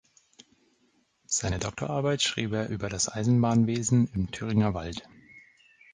Seine Doktorarbeit schrieb er über das Eisenbahnwesen im Thüringer Wald.